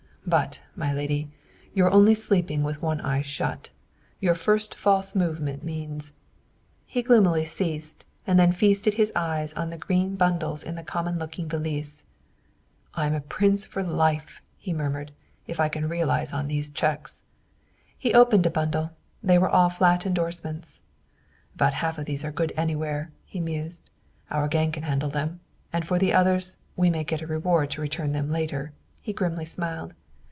"But, my lady, you are only sleeping with one eye shut. Your first false movement means" He gloomily ceased, and then feasted his eyes on the green bundles in the common looking valise. "I am a prince for life," he murmured, "if I can realize on these cheques." He opened a bundle; they were all flat endorsements. "About half of these are good anywhere," he mused. "Our gang can handle them; and for the others, we may get a reward to return them later," he grimly smiled.